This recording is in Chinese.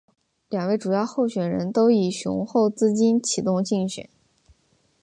两位主要候选人都以雄厚资金启动竞选。